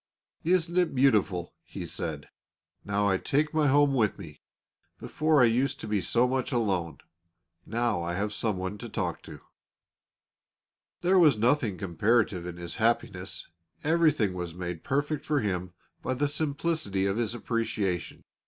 "Isn't it beautiful?" he said; "now I take my home with me; before I used to be so much alone. Now I have someone to talk to." There was nothing comparative in his happiness; everything was made perfect for him by the simplicity of his appreciation.